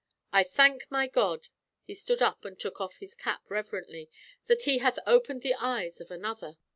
I thank my God," he stood up and took off his cap reverently, "that He hath opened the eyes of another!"